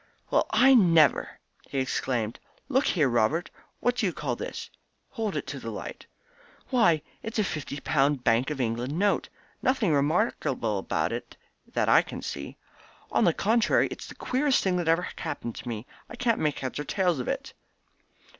"Well, I never!" he exclaimed. "Look here, Robert; what do you call this?" "Hold it to the light. Why, it's a fifty pound Bank of England note. Nothing remarkable about it that I can see." "On the contrary. It's the queerest thing that ever happened to me. I can't make head or tail of it."